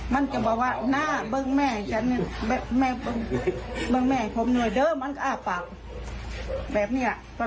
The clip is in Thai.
มันจะบอกว่าหน้าเบิ้งแม่แม่เบิ้งแม่ผมนวยเดิมมันก็อาฟากแบบนี้ล่ะ